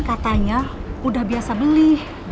katanya udah biasa beli